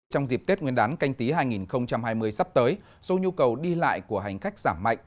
trong dịp tết nguyên đán canh tí hai nghìn hai mươi sắp tới số nhu cầu đi lại của hành khách giảm mạnh